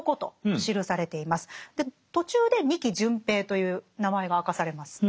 で途中で仁木順平という名前が明かされます。